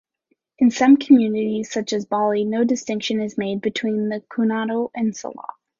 In some communities such as Bali, no distinction is made between kuntao and silat.